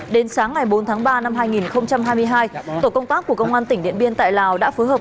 đến sáng ngày bốn tháng ba năm hai nghìn hai mươi hai tổ công tác của công an tỉnh điện biên tại lào đã phối hợp